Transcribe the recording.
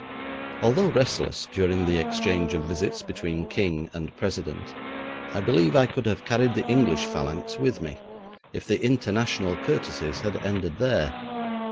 Although restless during the exchange of visits between King and President, I believe I could have carried the English phalanx with me, if the international courtesies had ended there.